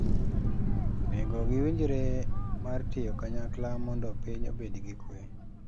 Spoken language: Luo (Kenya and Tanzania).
onego giwinjre mar tiyo kanyakla mondo piny obed gi kwe.